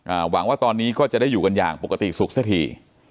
หวังว่าตอนนี้ก็จะได้อยู่กันอย่างปกติสุขสักที